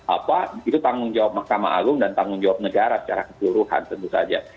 apa itu tanggung jawab mahkamah agung dan tanggung jawab negara secara keseluruhan tentu saja